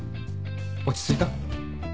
落ち着いた？